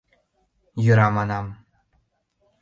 — Йӧра, — манам.